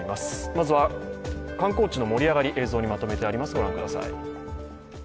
まずは観光地の盛り上がり映像にまとめてあります。